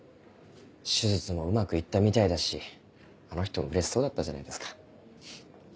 手術もうまく行ったみたいだしあの人もうれしそうだったじゃないですか。